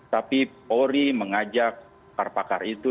tapi polri mengajak pakar pakar itu